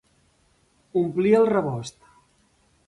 Omplir el rebost.